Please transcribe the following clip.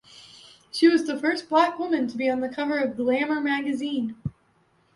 She was the first black woman to be on the cover of "Glamour" magazine.